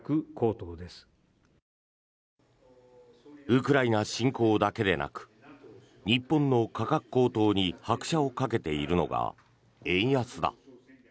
ウクライナ侵攻だけでなく日本の価格高騰に拍車をかけているのが円安だ。